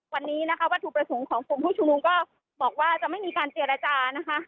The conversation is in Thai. วันนี้นะคะวัตถุประสงค์ของกลุ่มผู้ชุมนุมก็บอกว่าจะไม่มีการเจรจานะคะ